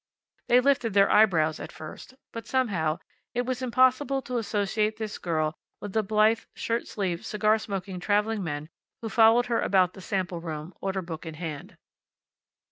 They lifted their eye brows at first, but, somehow, it was impossible to associate this girl with the blithe, shirt sleeved, cigar smoking traveling men who followed her about the sample room, order book in hand.